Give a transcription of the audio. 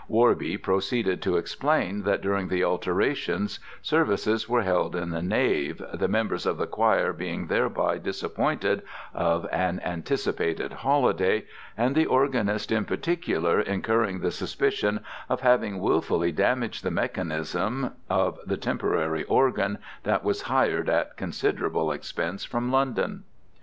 Worby proceeded to explain that during the alterations, services were held in the nave, the members of the choir being thereby disappointed of an anticipated holiday, and the organist in particular incurring the suspicion of having wilfully damaged the mechanism of the temporary organ that was hired at considerable expense from London.